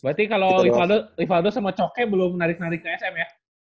berarti kalau rivaldo sama coke belum narik narik ke sm ya